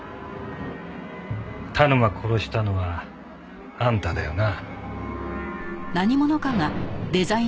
田沼殺したのはあんただよな？